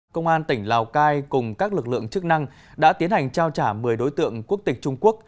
công an tỉnh lào cai cùng các lực lượng chức năng đã tiến hành trao trả một mươi đối tượng quốc tịch trung quốc